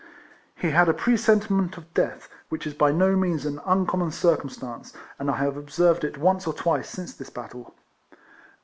He had a presentiment of death, which is by no means an un D 50 KECOLLECTIONS OF common circumstance, and I have observed it once or twice since this battle.